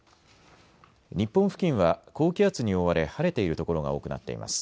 日本付近は高気圧に覆われ晴れている所が多くなっています。